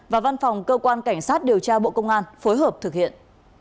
và văn phòng cơ quan cảnh sát điều tra bộ công an phối hợp thực hiện